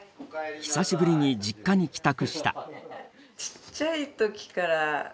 久しぶりに実家に帰宅した。